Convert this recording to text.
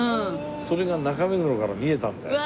それが中目黒から見えたんだよ。